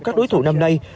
các đối thủ năm nay